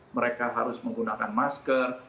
mereka harus menggunakan masker